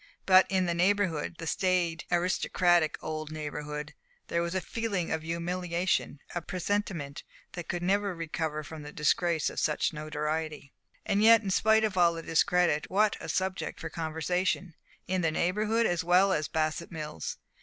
But in the Neighborhood the staid, aristocratic old Neighborhood there was a feeling of humiliation, a presentiment that it could never recover from the disgrace of such notoriety. And yet, in spite of all discredit, what a subject for conversation in the Neighborhood as well as Bassett Mills!